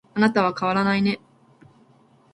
あなたは変わらないね